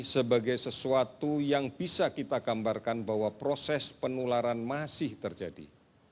sebagai sesuatu yang bisa kita gambarkan bahwa proses penularan masih terjadi